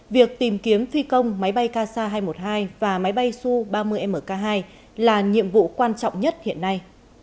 việc tìm kiếm thi công máy bay kc hai trăm một mươi hai và máy bay su ba mươi mk hai là nhiệm vụ quan trọng nhất hiện nay